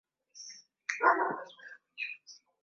kiongozi mkuu wa upinzani nchini misri mohamed elbaladei